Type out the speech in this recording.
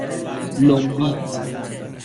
لمبید